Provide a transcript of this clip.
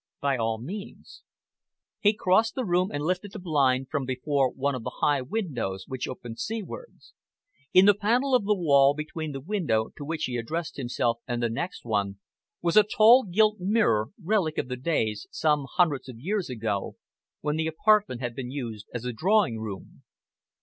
"By all means." He crossed the room and lifted the blind from before one of the high windows which opened seawards. In the panel of the wall, between the window to which he addressed himself and the next one, was a tall, gilt mirror, relic of the days, some hundreds of years ago, when the apartment had been used as a drawing room.